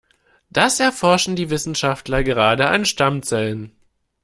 Das erforschen die Wissenschaftler gerade an Stammzellen.